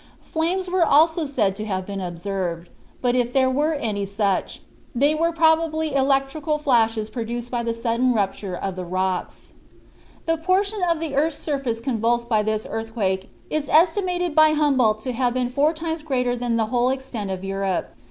Flames were also said to have been observed: but if there were any such, they were probably electrical flashes produced by the sudden rupture of the rocks. The portion of the earth's surface convulsed by this earthquake is estimated by Humboldt to have been four times greater than the whole extent of Europe.